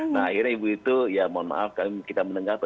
nah akhirnya ibu itu ya mohon maaf kita mendengar